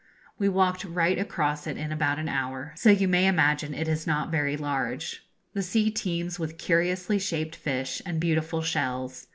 We walked right across it in about an hour; so you may imagine it is not very large. The sea teems with curiously shaped fish and beautiful shells.